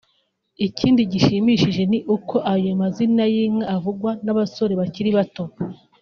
Ikindi gishimishije ni uko ayo mazina y’inka avugwa n’abasore bakiri bato